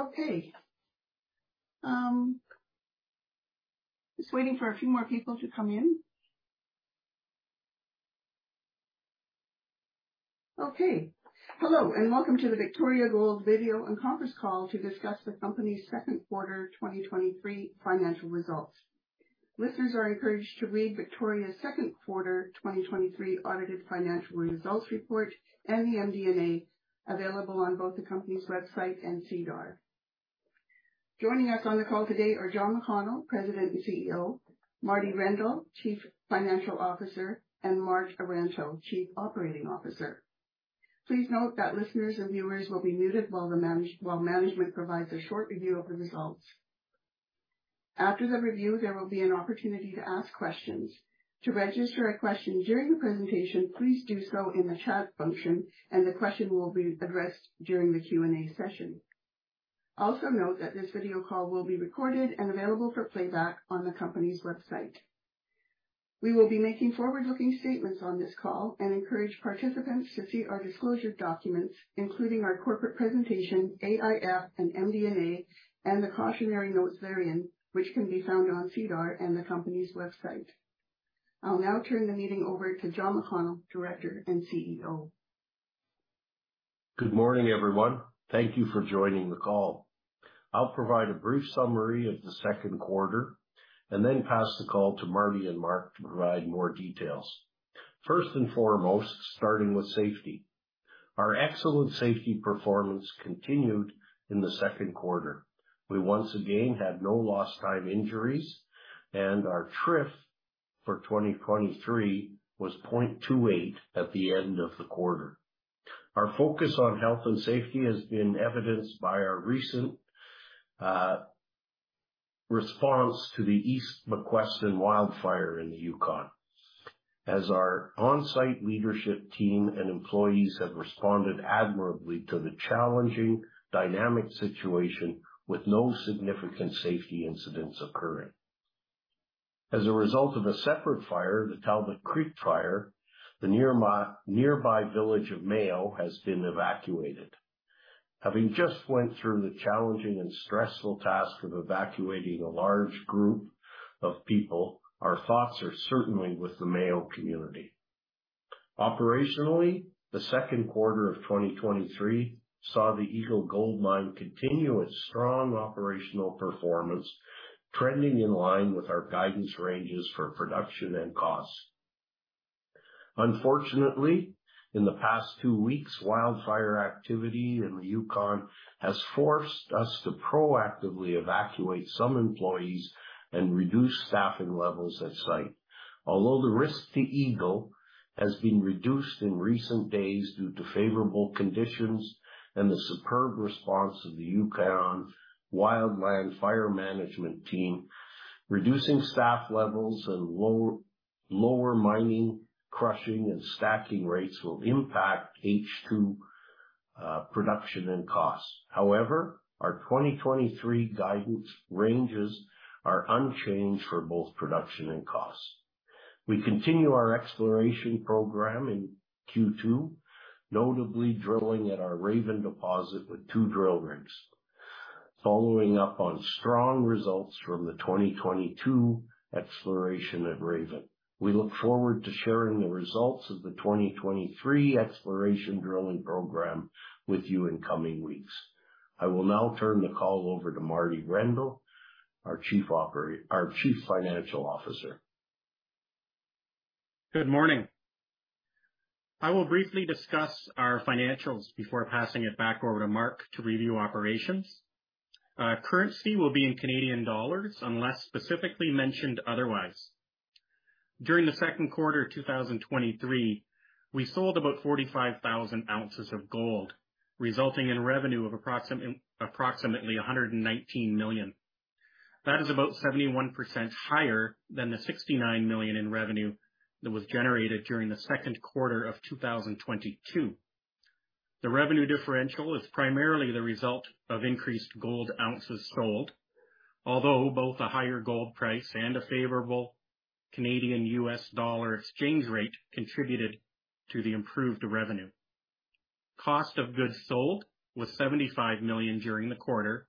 Okay. Just waiting for a few more people to come in. Okay. Hello, and welcome to the Victoria Gold video and conference call to discuss the company's Q2 2023 Financial results. Listeners are encouraged to read Victoria's Q2 2023 audited financial results report and the MD and A available on both the company's website and SEDAR. Joining us on the call today are John McConnell, President and CEO Marty Rendell, Chief Financial Officer and Mark Aranto, Chief Operating Officer. Please note that listeners and viewers will be muted while management provides a short review of the results. After the review, there will be an opportunity to ask questions. To register a question during the presentation, please do so in the chat function and the question will be addressed during the Q and A session. Also note that this video call will be recorded and available for playback on the company's website. We will be making forward looking statements on this call and encourage participants to see our disclosure documents, including our corporate presentation, AIF and MD and A and the cautionary notes therein, which can be found on SEDAR and the company's website. I'll now turn the meeting over to John McConnell, Director and CEO. Good morning, everyone. Thank you for joining the call. I'll provide a brief summary of the Q2 And then pass the call to Marty and Mark to provide more details. 1st and foremost, starting with safety. Our excellent safety performance continued in the Q2. We once again had no lost time injuries and our TRIF For 2023 was 0.28 at the end of the quarter. Our focus on health and safety has been evidenced by our recent Response to the East Mequesten wildfire in the Yukon. As our on-site leadership team and employees have responded admirably to the challenging dynamic situation with no significant safety incidents occurring. As a result of a separate fire, the Talbot Creek fire, the nearby village of Mayo has been evacuated. Having just went through the challenging and stressful task of evacuating a large group of people, Our thoughts are certainly with the Mayo community. Operationally, the Q2 of 2023 Saw the Eagle Gold Mine continue its strong operational performance, trending in line with our guidance ranges for production and costs. Unfortunately, in the past 2 weeks, wildfire activity in the Yukon has forced Thus to proactively evacuate some employees and reduce staffing levels at site. Although the risk to Eagle Has been reduced in recent days due to favorable conditions and the superb response of the Yukon Wildland Fire Management Team, reducing staff levels and lower mining, Crushing and stacking rates will impact H2 production and costs. However, our 2023 guidance ranges Are unchanged for both production and costs. We continue our exploration program in Q2, Notably drilling at our Raven deposit with 2 drill rigs, following up on strong results from the 2022 Exploration at Raven. We look forward to sharing the results of the 2023 exploration drilling program with you in coming weeks. I will now turn the call over to Marty Grendel, our Chief Financial Officer. Good morning. I will briefly discuss our financials before passing it back over to Mark to review operations. Currency will be in Canadian dollars unless specifically mentioned otherwise. During the Q2 of 2023, We sold about 45,000 ounces of gold, resulting in revenue of approximately 119,000,000 That is about 71% higher than the $69,000,000 in revenue that was generated during the Q2 of 2022. The revenue differential is primarily the result of increased gold ounces sold, although both a higher gold price and a favorable Canadian U. S. Dollar exchange rate contributed to the improved revenue. Cost of goods sold was $75,000,000 during the quarter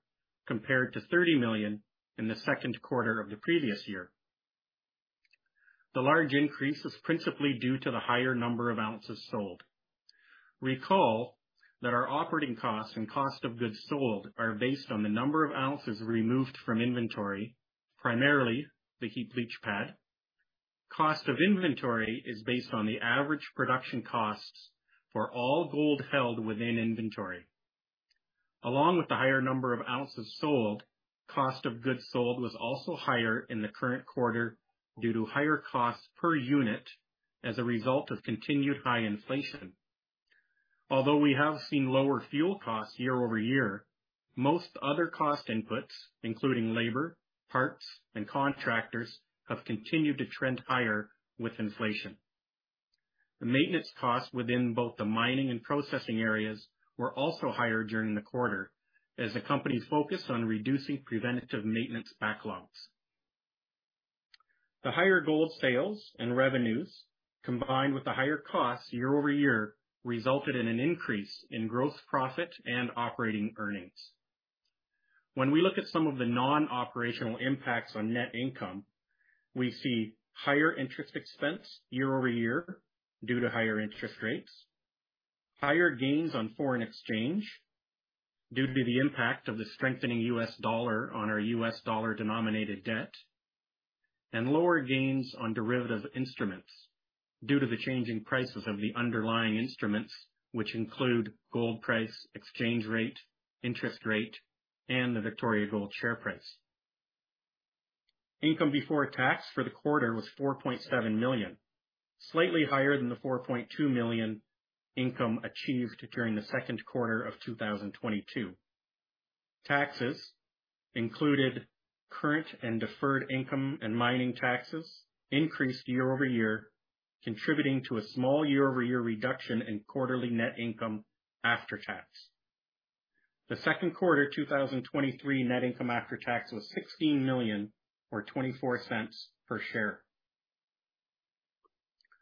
Compared to $30,000,000 in the Q2 of the previous year. The large increase is principally due to the higher number of ounces sold. Recall that our operating costs and cost of goods sold are based on the number of ounces removed from inventory, Primarily the heap leach pad, cost of inventory is based on the average production costs for all gold held within inventory. Along with the higher number of ounces sold, cost of goods sold was also higher in the current quarter Due to higher costs per unit as a result of continued high inflation. Although we have seen lower fuel costs year over year, Most other cost inputs, including labor, parts and contractors have continued to trend higher with inflation. The maintenance costs within both the mining and processing areas were also higher during the quarter as the company's focus on reducing preventative maintenance backlogs. The higher gold sales and revenues combined with the higher costs year over year resulted in an increase in gross Profit and operating earnings. When we look at some of the non operational impacts on net income, we see Higher interest expense year over year due to higher interest rates, higher gains on foreign exchange Due to the impact of the strengthening U. S. Dollar on our U. S. Dollar denominated debt and lower gains on derivative instruments Due to the changing prices of the underlying instruments, which include gold price, exchange rate, interest rate and the Victoria Gold share price. Income before tax for the quarter was $4,700,000 slightly higher than the $4,200,000 Income achieved during the Q2 of 2022. Taxes included Current and deferred income and mining taxes increased year over year, contributing to a small year over year reduction in quarterly net income After tax. The Q2 2023 net income after tax was $16,000,000 or $0.24 per share.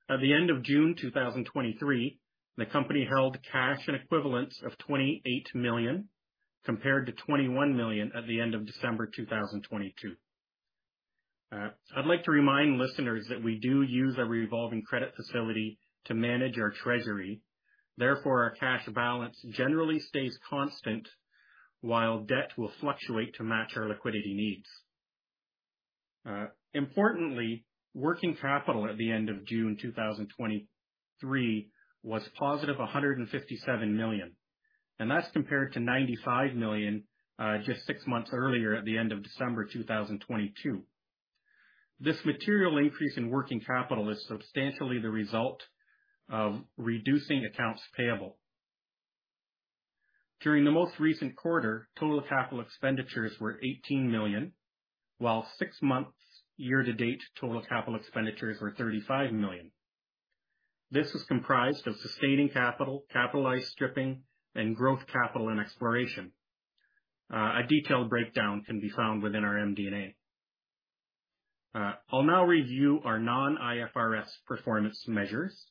At the end of June 2023, the company held cash and equivalents of $28,000,000 Compared to $21,000,000 at the end of December 2022. I'd like to remind listeners that we do use our revolving credit facility to manage our treasury. Therefore, our cash balance generally stays constant while debt will fluctuate to match our liquidity needs. Importantly, working capital at the end of June 2023 was positive 157,000,000 And that's compared to $95,000,000 just 6 months earlier at the end of December 2022. This material increase in working capital is substantially the result of reducing accounts payable. During the most recent quarter, total capital expenditures were $18,000,000 while 6 months year to date Total capital expenditures were $35,000,000 This was comprised of sustaining capital, capitalized stripping and growth capital and exploration. A detailed breakdown can be found within our MD and A. I'll now review our non IFRS performance measures.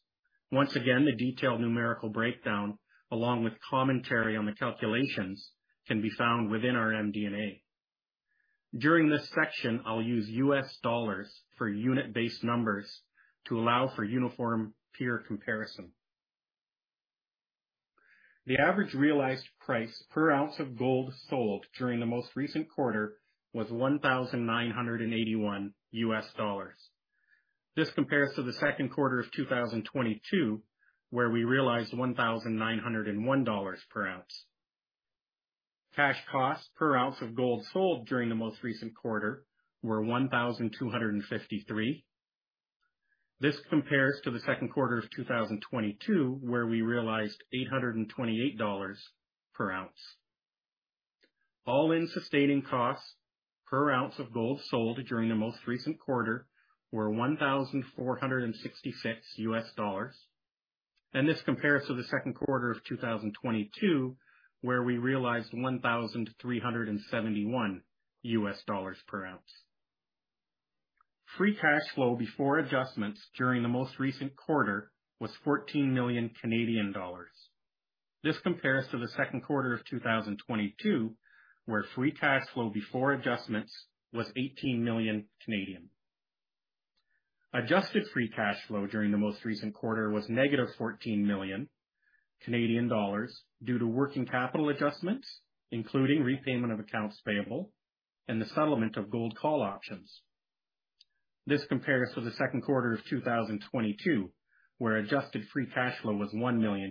Once again, the detailed numerical breakdown along with commentary on the calculations can be found within our MD and A. During this section, I'll use U. S. Dollars for unit based numbers to allow for uniform peer comparison. The average realized price per ounce of gold sold during the most recent quarter was US19.81 U. S. Dollars. This compares to the Q2 of 2022 where we realized $1901 per ounce. Cash costs per ounce of gold sold during the most recent quarter were 12.53 This compares to the Q2 of 2022 where we realized $8.28 per ounce. All in sustaining costs per ounce of gold sold during the most recent quarter were $14.66 And this compares to the Q2 of 2022, where we realized US1371 dollars per ounce. Free cash flow before adjustments during the most recent quarter was CAD14 1,000,000. This compares to the Q2 of 2022 where free cash flow before adjustments was CAD18 1,000,000. Adjusted free cash flow during the most recent quarter was negative CAD14 1,000,000 due to working capital adjustments, Including repayment of accounts payable and the settlement of gold call options. This compares to the Q2 of 2022, Where adjusted free cash flow was 1 million.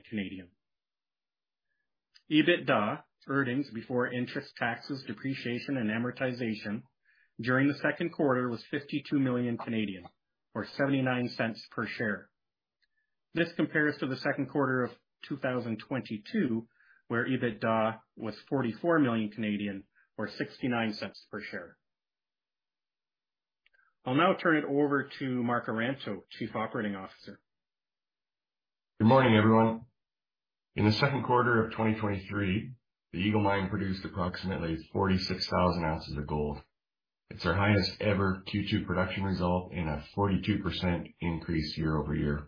EBITDA, earnings before interest, taxes, depreciation and amortization, During the Q2, it was 52 million or 0.79 per share. This compares to the Q2 of 2022 where EBITDA was CAD44 1,000,000 or 0.69 per share. I'll now turn it over to Mark Aranto, Chief Operating Officer. Good morning, everyone. In the Q2 of 2023, the Eagle Mine produced approximately 46,000 ounces of gold. It's our highest ever Q2 production result and a 42% increase year over year.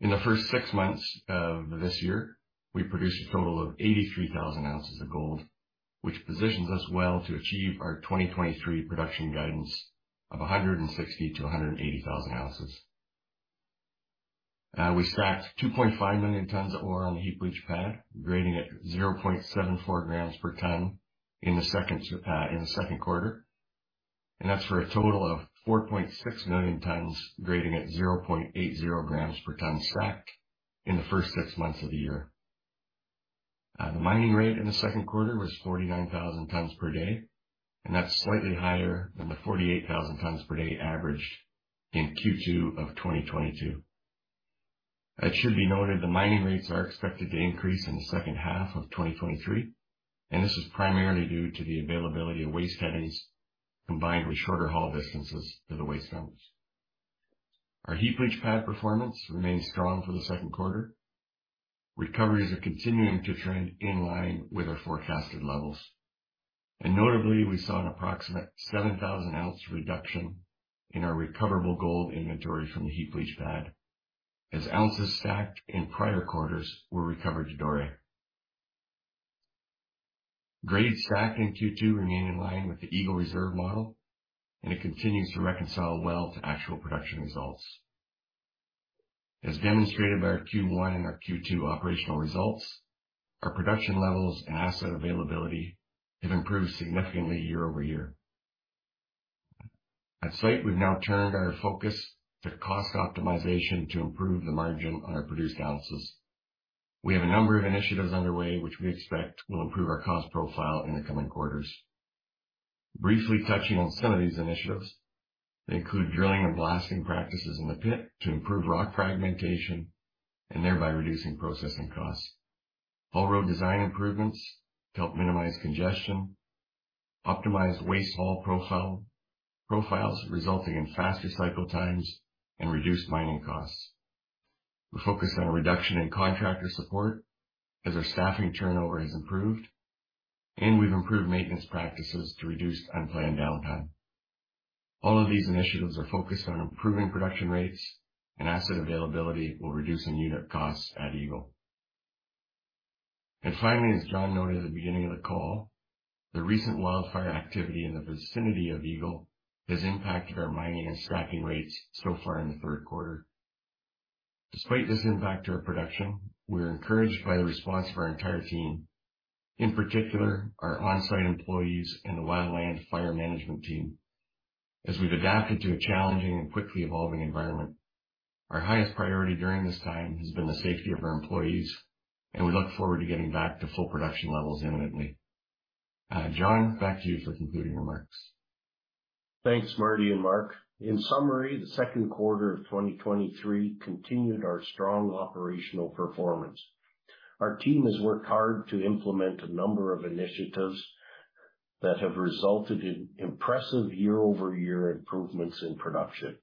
In the 1st 6 months of this year, we produced a total of 83,000 ounces of gold, Which positions us well to achieve our 2023 production guidance of 160,000 to 180,000 ounces. We stacked 2,500,000 tons of ore on the heap leach pad grading at 0.74 grams per ton in the second in the second quarter. And that's for a total of 4,600,000 tons grading at 0.80 grams per ton stacked in the 1st 6 months of the year. The mining rate in the Q2 was 49,000 tons per day, and that's slightly higher than the 48,000 tons per day average In Q2 of 2022. It should be noted the mining rates are expected to increase in the second half of twenty twenty three, And this is primarily due to the availability of waste headings combined with shorter haul distances to the waste covers. Our heap leach pad performance remains strong for the Q2. Recoveries are continuing to trend in line with our forecasted levels. And notably, we saw an approximate 7,000 ounce reduction in our recoverable gold inventory from the heap leach pad As ounces stacked in prior quarters were recovered to Dore. Graded stack in Q2 remained in line with the Eagle Reserve model And it continues to reconcile well to actual production results. As demonstrated by our Q1 and our Q2 operational results, Our production levels and asset availability have improved significantly year over year. At site, we've now turned our focus The cost optimization to improve the margin on our produced ounces. We have a number of initiatives underway, which we expect will improve our cost profile in the coming quarters. Briefly touching on some of these initiatives, they include drilling and blasting practices in the pit to improve rock fragmentation And thereby reducing processing costs. Hull road design improvements help minimize congestion, optimize waste haul Profiles resulting in faster cycle times and reduced mining costs. We're focused on a reduction in contractor support As our staffing turnover has improved and we've improved maintenance practices to reduce unplanned downtime. All of these initiatives are focused on improving production rates and asset availability while reducing unit costs at Eagle. And finally, as John noted at the beginning of the call, the recent wildfire activity in the vicinity of Eagle This impacted our mining and stocking rates so far in the Q3. Despite this impact to our production, we are encouraged by the response of our entire team, In particular, our on-site employees and the Wildland Fire Management team. As we've adapted to a challenging and quickly evolving environment, Our highest priority during this time has been the safety of our employees and we look forward to getting back to full production levels imminently. John, back to you for concluding remarks. Thanks, Marty and Mark. In summary, the Q2 of 2023 continued our strong Our team has worked hard to implement a number of initiatives that have resulted in Impressive year over year improvements in production.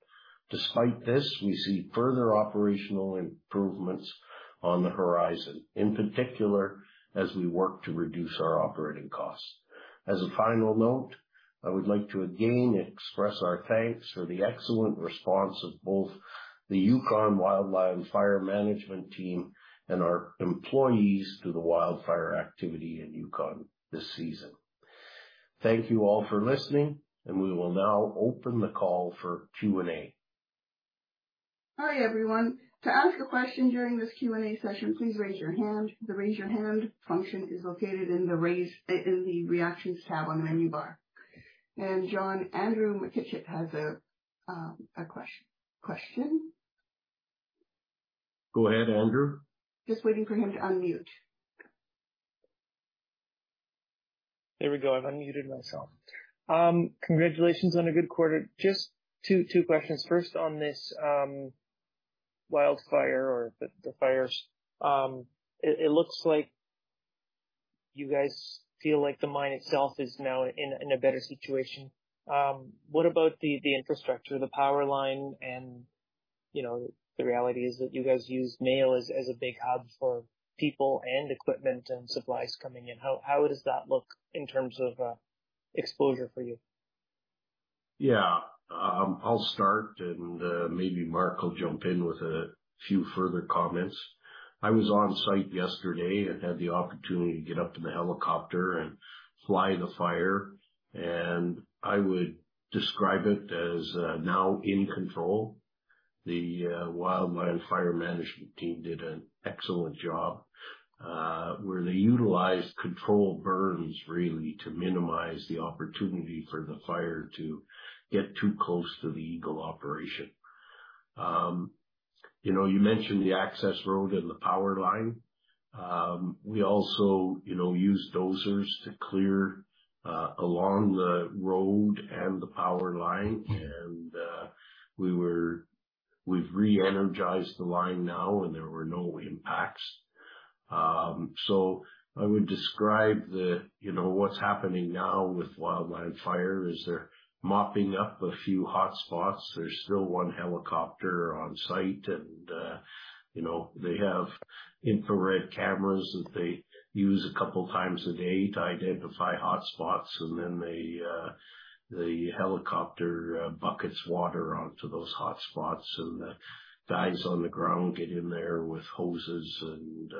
Despite this, we see further operational improvements On the horizon, in particular as we work to reduce our operating costs. As a final note, I would like to again express our thanks for the excellent response of both the Yukon Wildfire Management team And our employees do the wildfire activity in Yukon this season. Thank you all for listening. And we will now open the call for Q and A. Hi, everyone. The raise your hand Function is located in the Reactions tab on the menu bar. And John, Andrew McKichit has Question. Go ahead, Andrew. Just waiting for him to unmute. There we go. I've unmuted myself. Congratulations on a good quarter. Just two questions. First on this Wildfire or the fires. It looks like you guys feel like the mine itself is now in a better situation. What about the infrastructure, the power line and the reality is that you guys use mail as a big hub for People and equipment and supplies coming in. How does that look in terms of exposure for you? Yes. I'll start and maybe Mark will jump in with a few further comments. I was on-site I've had the opportunity to get up to the helicopter and fly the fire. And I would describe it as now in control. The Wildland Fire Management team did an excellent job, where they utilized controlled burns really to minimize The opportunity for the fire to get too close to the Eagle operation. You mentioned the access road and the power line. We also use dozers to clear along the road and the power line and We were we've reenergized the line now and there were no impacts. So, I would describe what's happening now with wildland fire is they're mopping up a few hotspots. There's still one helicopter on-site and they have infrared cameras that they Use a couple of times a day to identify hotspots and then the helicopter buckets water onto those hotspots and the Dives on the ground, get in there with hoses and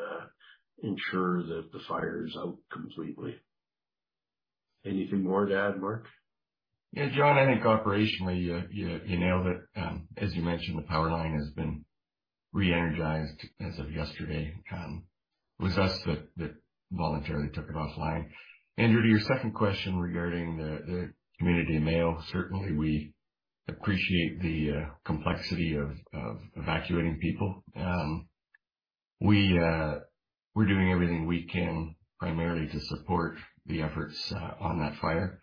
ensure that the fire is out completely. Anything more to add, Mark? Yes. John, I think operationally, you nailed it. As you mentioned, the power line has been Re energized as of yesterday, it was us that voluntarily took it offline. Andrew, to your second question regarding the Community Mayo, certainly, we appreciate the complexity of evacuating people. We're doing everything we can primarily to support the efforts on that fire,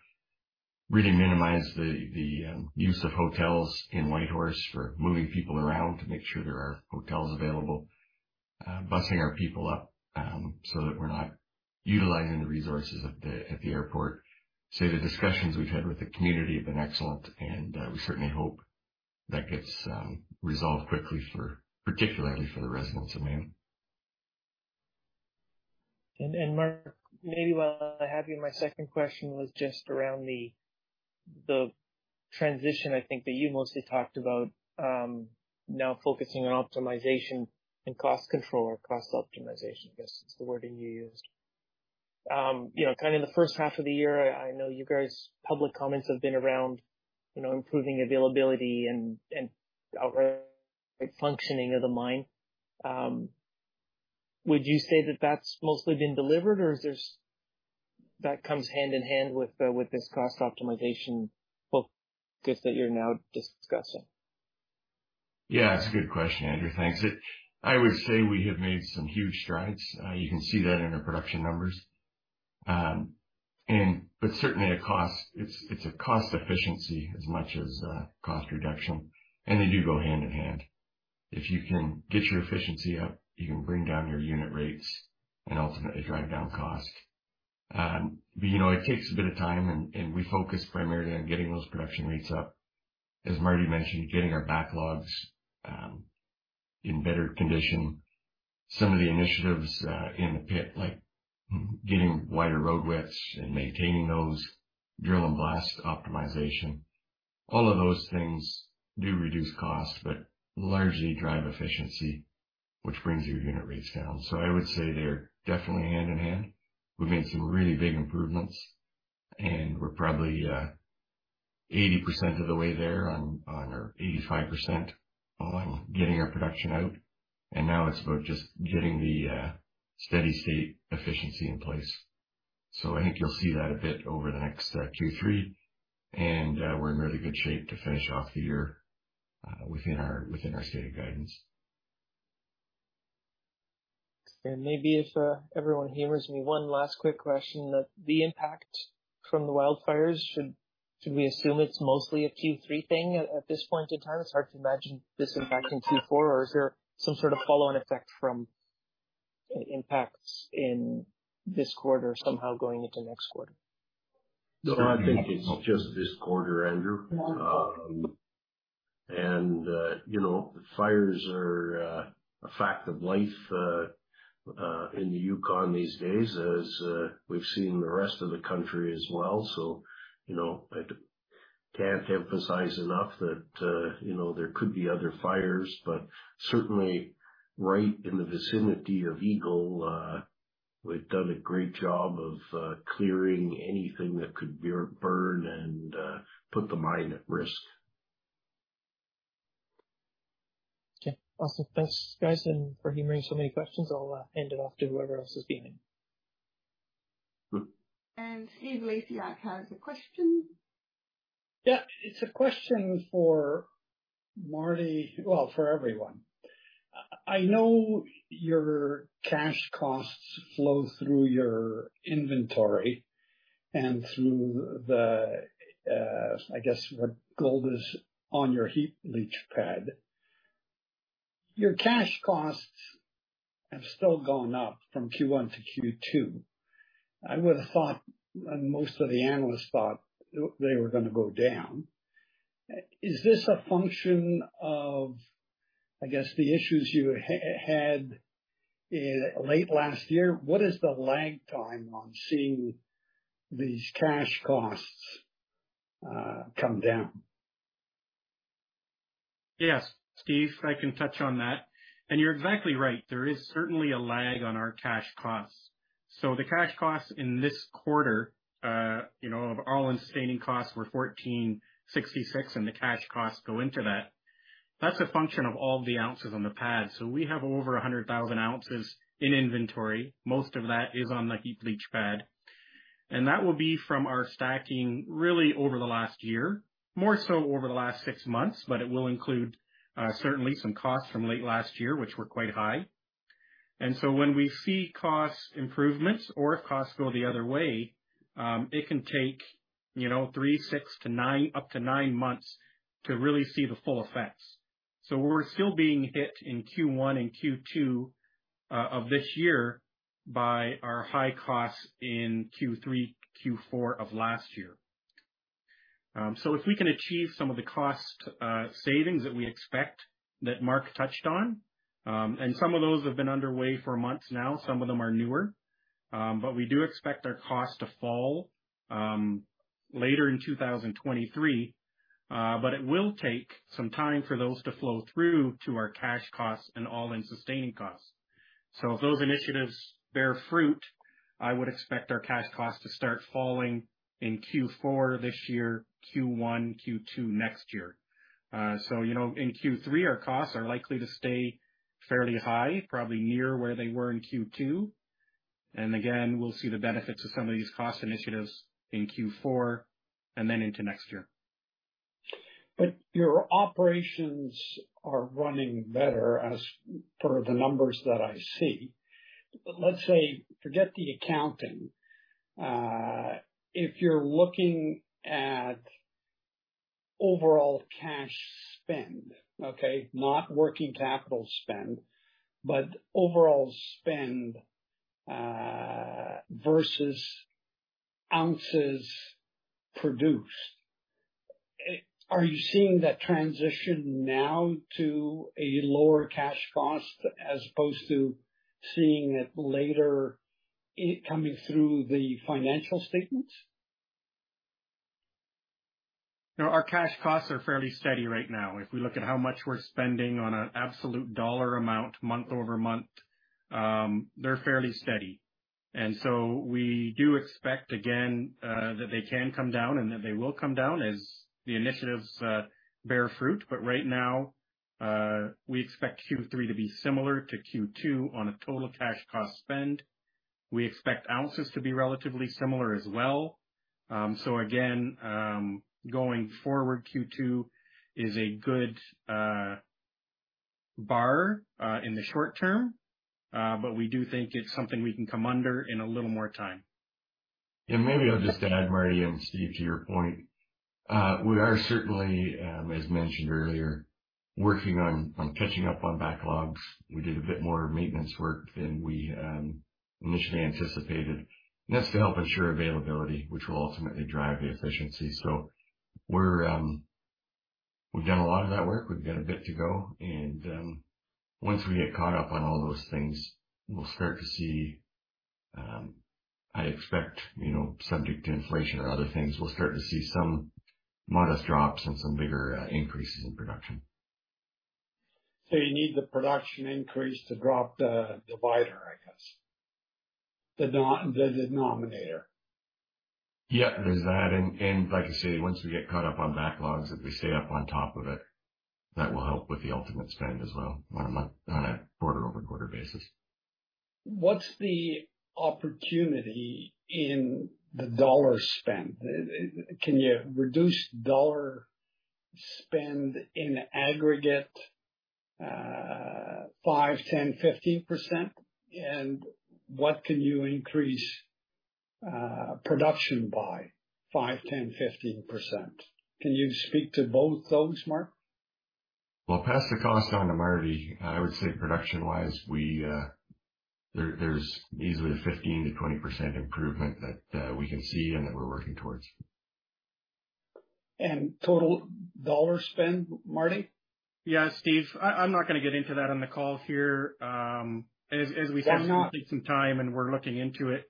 Really minimize the use of hotels in Whitehorse for moving people around to make sure there are hotels available, Busing our people up, so that we're not utilizing the resources at the airport. So the discussions we've had with the community have been excellent And we certainly hope that gets resolved quickly for, particularly for the residents of Maine. And Mark, maybe while I have you, my second question was just around the Transition, I think that you mostly talked about now focusing on optimization and cost control or cost optimization, I guess, is the wording you used. Kind of in the first half of the year, I know you guys public comments have been around improving availability and Functioning of the mine. Would you say that that's mostly been delivered or is there That comes hand in hand with this cost optimization book that you're now discussing? Yes. It's a good question, Andrew. Thanks. I would say we have made some huge strides. You can see that in our production numbers. And, but certainly a cost, It's a cost efficiency as much as cost reduction, and they do go hand in hand. If you can get your efficiency up, you can bring down your unit rates And ultimately, drive down cost. But it takes a bit of time, and we focus primarily on getting those production rates up. As Marty mentioned, getting our backlogs in better condition. Some of the initiatives in the pit like Getting wider road wets and maintaining those drill and blast optimization, all of those things do reduce costs, but Largely drive efficiency, which brings your unit rates down. So I would say they're definitely hand in hand. We've made some really big improvements, And we're probably 80% of the way there on our 85% on getting our production out. And now it's about just getting the steady state efficiency in place. So I think you'll see that a bit over the next Q3, And we're in really good shape to finish off the year within our stated guidance. And maybe if everyone humors me one last quick question that the impact from the wildfires, Should we assume it's mostly a Q3 thing at this point in time? It's hard to imagine this impact in Q4 or is there some sort of follow on effect from Impacts in this quarter somehow going into next quarter? No, I think it's just this quarter, Andrew. And the fires are a fact of life in the Yukon these days as We've seen the rest of the country as well. So I can't emphasize enough that there could be other fires, but Certainly, right in the vicinity of Eagle, we've done a great job of clearing anything that could burn and Put the mine at risk. Okay. Awesome. Thanks guys and for hearing so many questions. I'll hand it off to whoever else is being in. And Steve Lacyak has a question. Yes. It's a question for Marty, well, for everyone. I know your cash costs flow through your inventory And through the I guess what gold is on your heap leach pad, Your cash costs have still gone up from Q1 to Q2. I would have thought and most of the analysts thought They were going to go down. Is this a function of, I guess, the issues you had Late last year, what is the lag time on seeing these cash costs come down? Yes, Steve, I can touch on that. And you're exactly right. There is certainly a lag on our cash costs. So, the cash costs in this quarter of all in sustaining costs were $14.66 and the cash costs go into that. That's a function of all the ounces on the pad. So, we have over 100,000 ounces in inventory. Most of that is on the heap leach pad. And that will be from our stacking really over the last year, more so over the last 6 months, but it will include Certainly, some costs from late last year, which were quite high. And so when we see cost improvements or if costs go the other way, it can take 3, 6 to 9 up to 9 months to really see the full effects. So we're still being hit in Q1 and Q2 of this year by our high costs in Q3, Q4 of last year. So if we can achieve some of the cost savings that we expect that Mark touched on, and some of those have been way for months now, some of them are newer. But we do expect our cost to fall later in 2023. But it will take some time for those to flow through to our cash costs and all in sustaining costs. So if those initiatives Bear fruit, I would expect our cash costs to start falling in Q4 this year, Q1, Q2 next year. So, in Q3, our costs are likely to stay fairly high, probably near where they were in Q2. And again, we'll see the benefits of some of these cost initiatives in Q4 and then into next year. But your operations Are running better as per the numbers that I see. But let's say, forget the accounting. If you're looking at overall cash spend, okay, not working capital spend, But overall spend versus ounces Produce. Are you seeing that transition now to a lower cash cost as opposed to Seeing it later coming through the financial statements? Our cash costs are fairly steady right now. If we look at how much we're spending on an absolute dollar amount month over month, they're fairly steady. And so we do expect again that they can come down and that they will come down as the initiatives bear fruit. But right now, We expect Q3 to be similar to Q2 on a total cash cost spend. We expect ounces to be relatively similar as well. So again, going forward, Q2 is a good Bar in the short term, but we do think it's something we can come under in a little more time. And maybe I'll just add, Marty and Steve, to your point. We are certainly, as mentioned earlier, working on catching up on backlogs. We did a bit more maintenance work than we Initially anticipated. And that's to help ensure availability, which will ultimately drive the efficiency. So we're We've done a lot of that work. We've got a bit to go. And once we get caught up on all those things, we'll start to see, I expect, subject to inflation or other things, we'll start to see some modest drops and some bigger increases in production. So you need the production increase to drop the divider, I guess, the denominator? Yes, there's that. And like I say, once we get caught up on backlogs, if we stay up on top of it, that will help with the ultimate spend as well on a quarter over quarter basis. What's the opportunity in the dollar spend? Can you reduce dollar Spend in aggregate 5%, 10%, 15% and what can you increase Production by 5%, 10%, 15%. Can you speak to both those, Mark? Well, pass the cost down to Marty. I would say production wise, we there's easily a 15% to 20% improvement that We can see and that we're working towards. And total dollar spend, Marty? Yes, Steve. I'm not going to get into that on the call here. As we said, it will take some time and we're looking into it.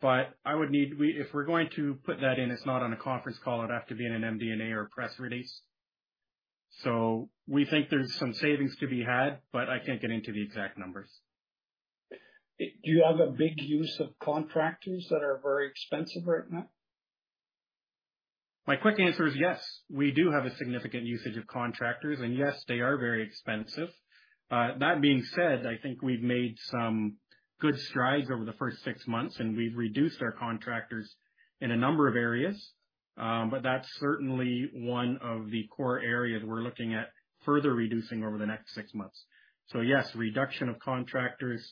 But I would need if we're going to put that in, it's not on a conference call, it would have to be in an MD and A or press release. So, we think there's some savings to be had, but I can't get into the exact numbers. Do you have a big use of Contractors that are very expensive, Hernan? My quick answer is yes. We do have a significant usage of contractors. And yes, they are very expensive. That being said, I think we've made some good strides over the 1st 6 months and we've reduced our contractors in a number of areas. But that's certainly one of the core areas we're looking at further reducing over the next 6 months. So, yes, reduction of contractors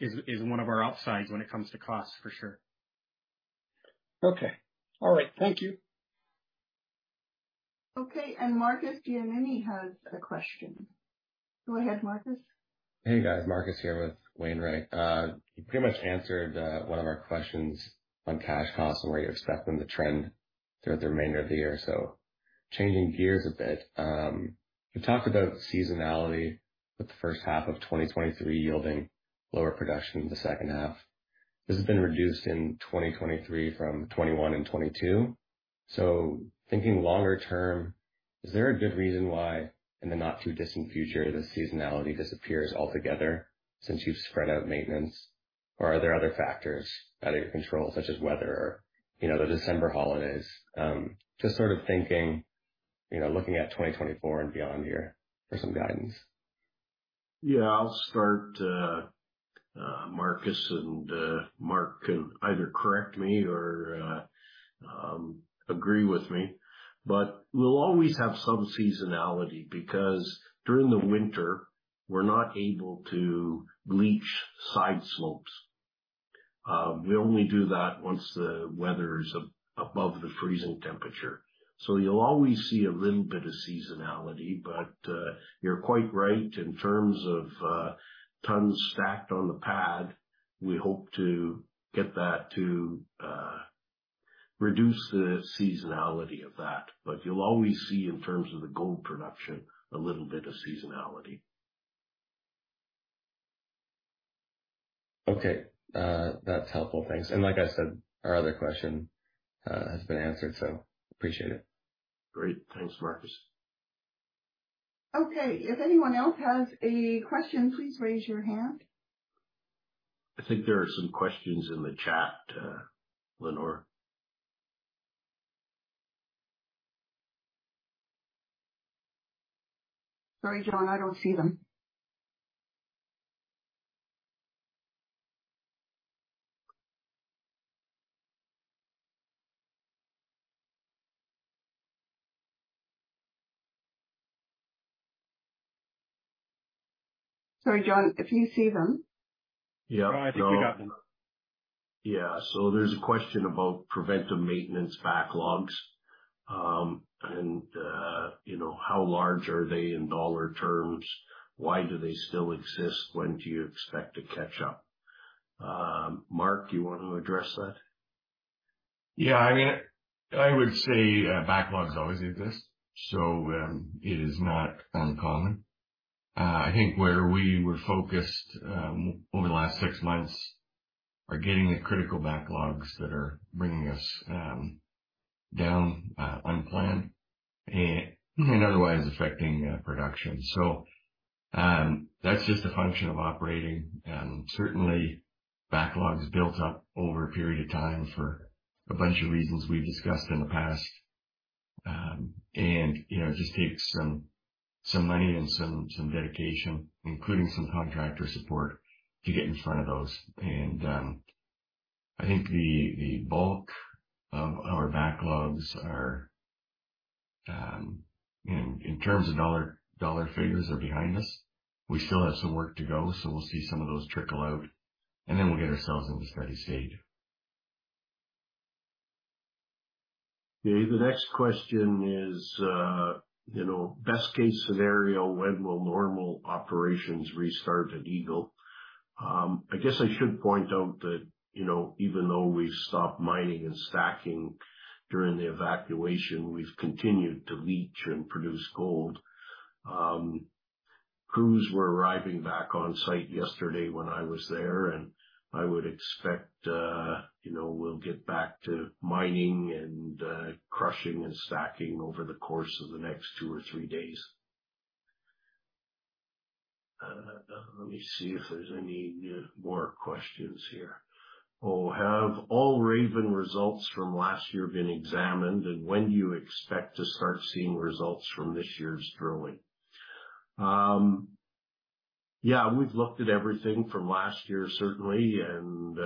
Is one of our upsides when it comes to costs for sure. Okay. All right. Thank you. Okay. And Marcus Guillenetti has a question. Go ahead, Marcus. Hey, guys. Marcus here with Wainwright, you pretty much answered one of our questions on cash costs and where you expect them to trend throughout the remainder of the year. So Changing gears a bit. You talked about seasonality with the first half of twenty twenty three yielding lower production in the second half. This has been reduced in 2023 from 2021 2022. So thinking longer term, is there a good reason why the not too distant future, the seasonality disappears altogether since you've spread out maintenance? Or are there other factors Out of your control such as weather, the December holidays, just sort of thinking, looking at 2024 and beyond here for some guidance? Yes, I'll start. Marcus and Mark can either correct me or agree with me. But we'll always have some seasonality because during the winter, we're not able to bleach side slopes. We only do that once the weather is above the freezing temperature. So you'll always see a little bit of seasonality, but You're quite right in terms of tons stacked on the pad. We hope to get that to Reduce the seasonality of that, but you'll always see in terms of the gold production a little bit of seasonality. Okay. That's helpful. Thanks. And like I said, our other question has been answered. So, appreciate it. Great. Thanks, Marcus. Okay. If anyone else has a question, please raise your hand. I think there are some questions in the chat, Lenore. Sorry, John, I don't see them. Sorry, John, if you see them. Yes. So there's a question about preventive maintenance backlogs and How large are they in dollar terms? Why do they still exist? When do you expect to catch up? Mark, do you want to address that? Yes. I mean, I would say backlogs always exist. So it is not uncommon. I think where we were focused over the last 6 months are getting the critical backlogs that are bringing us Down unplanned and otherwise affecting production. So that's just a function of operating. Certainly, Backlog is built up over a period of time for a bunch of reasons we've discussed in the past. And it just takes Some money and some dedication, including some contractor support to get in front of those. And I think the bulk of our backlogs are, in terms of dollar figures, are behind us. We still have some work to go. So, we'll see some of those trickle out and then we'll get ourselves in the steady stage. The next question is best case scenario when will normal operations restart at Eagle? I guess I should point out that even though we've stopped mining and stacking during the evacuation, we've continued To leach and produce gold. Crews were arriving back on-site yesterday when I was there and I would expect We'll get back to mining and crushing and stacking over the course of the next 2 or 3 days. Let me see if there's any more questions here. Have all RAVEN results from last You've been examined and when do you expect to start seeing results from this year's drilling? Yes. We've looked at everything from last year certainly and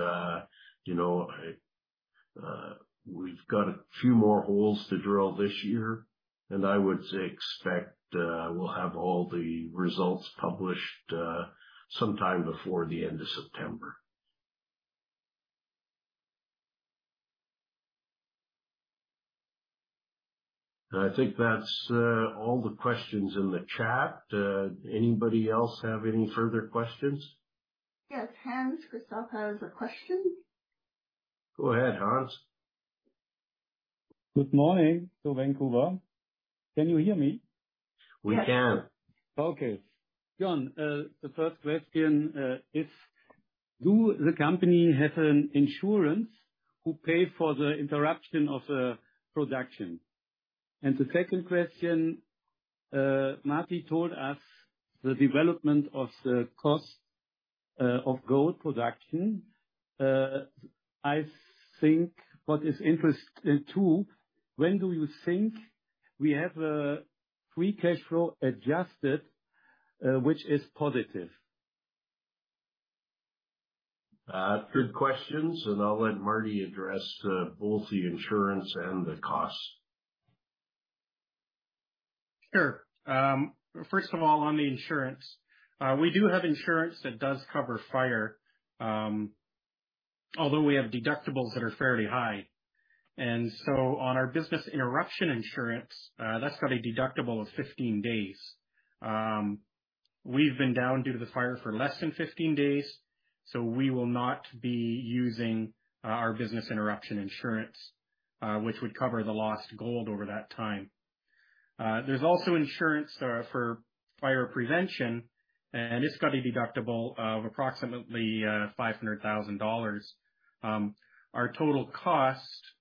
we've got a Few more holes to drill this year. And I would expect we'll have all the results published Sometime before the end of September. I think that's all the questions in the chat. Anybody else have any further questions? Yes, Hans Christophe has a question. Go ahead, Hans. Good morning to Vancouver. Can you hear me? We can. Okay. Jan, the first question is, Do the company have an insurance who pay for the interruption of the production? And the second question, Matti told us the development of the cost of gold production. I think what is interesting too, when do you think we have Free cash flow adjusted, which is positive. Good questions. And I'll let Marty address Both the insurance and the costs? Sure. First of all, on the insurance, We do have insurance that does cover fire, although we have deductibles that are fairly high. And so on our business interruption insurance, that's got a deductible of 15 days. We've been down due to the fire for less than 15 days. So, we will not be using our business interruption insurance, Which would cover the lost gold over that time. There's also insurance for fire prevention And it's got a deductible of approximately $500,000 Our total cost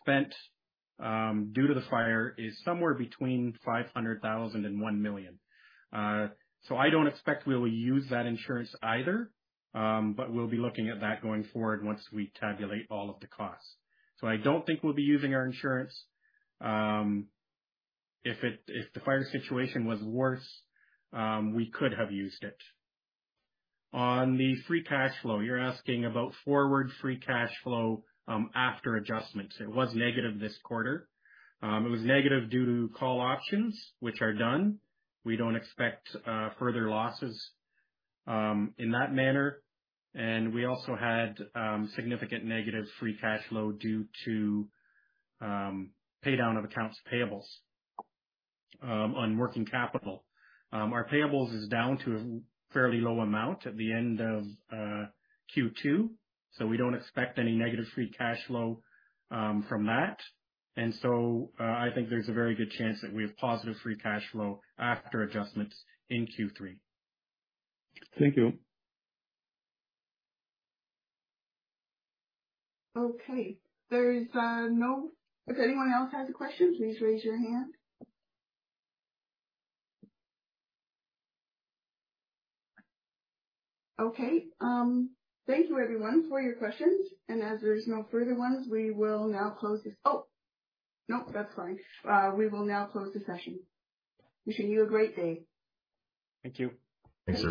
spent Due to the fire, it's somewhere between $500,000 $1,000,000 So I don't expect we'll use that insurance either, But we'll be looking at that going forward once we tabulate all of the costs. So, I don't think we'll be using our insurance. If the fire situation was worse, we could have used it. On the free cash You're asking about forward free cash flow after adjustments. It was negative this quarter. It was negative due to call options, which are done. We don't expect further losses in that manner. And we also had significant negative free cash flow due to Paydown of accounts payables on working capital. Our payables is down to a Fairly low amount at the end of Q2. So we don't expect any negative free cash flow from that. And so, I think there's a very good chance that we have positive free cash flow after adjustments in Q3. Thank you. Okay. There is no if anyone else has a question, please raise your hand. Okay. Thank you, everyone, for your questions. And as there's no further ones, we will now close this oh, no, that's fine. We will now close the session. Wishing you a great day. Thank you. Thanks,